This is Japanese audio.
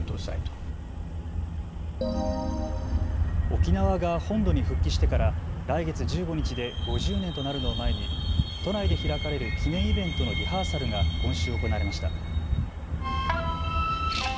沖縄が本土に復帰してから来月１５日で５０年となるのを前に都内で開かれる記念イベントのリハーサルが今週行われました。